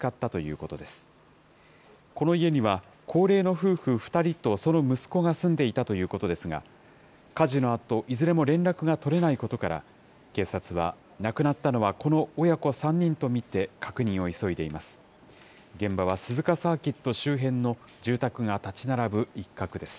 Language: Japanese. この家には、高齢の夫婦２人とその息子が住んでいたということですが、火事のあと、いずれも連絡が取れないことから、警察は亡くなったのは、この親子３人と見て確認を急いでいます。